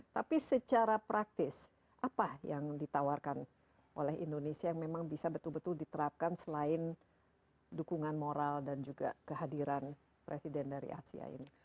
tapi secara praktis apa yang ditawarkan oleh indonesia yang memang bisa betul betul diterapkan selain dukungan moral dan juga kehadiran presiden dari asia ini